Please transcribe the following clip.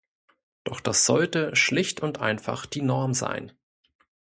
Doch das sollte schlicht und einfach die Norm sein.